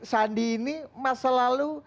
sandi ini masa lalu